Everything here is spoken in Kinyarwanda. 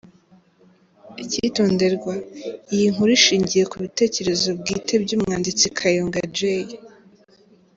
Icyitonderwa: Iyi nkuru ishingiye ku bitekerezo bwite by’umwanditsi Kayonga J.